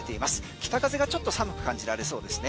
北風がちょっと寒く感じられそうですね。